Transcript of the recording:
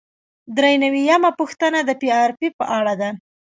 درې نوي یمه پوښتنه د پی آر آر په اړه ده.